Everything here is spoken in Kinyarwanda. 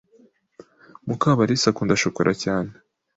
Mukabarisa akunda shokora cyane.